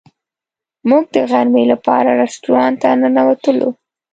موږ د غرمې لپاره رسټورانټ ته ننوتلو.